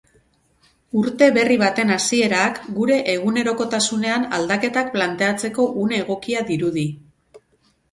Urte berri baten hasierak gure egunerokotasunean aldaketak planteatzeko une egokia dirudi.